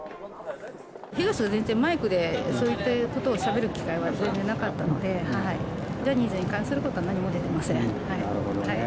ヒガシが全然マイクでそういったことをしゃべる機会は全然なかったので、ジャニーズに関することは何も出ていません。